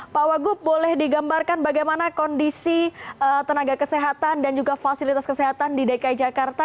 pak wagub boleh digambarkan bagaimana kondisi tenaga kesehatan dan juga fasilitas kesehatan di dki jakarta